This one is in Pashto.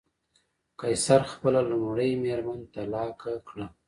قیصر خپله لومړۍ مېرمن طلاق کړه.